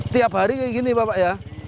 tiap hari kayak gini bapak ya